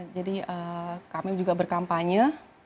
jadi kami juga berkampanye